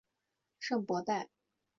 圣博代。